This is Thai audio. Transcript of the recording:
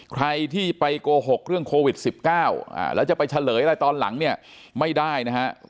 ใครที่ไปโกหกเรื่องโควิด๑๙แล้วจะไปเฉลยอะไรตอนหลังเนี่ยไม่ได้นะฮะ